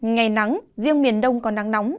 ngày nắng riêng miền đông có nắng nóng